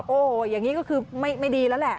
โอ้โหอย่างนี้ก็คือไม่ดีแล้วแหละ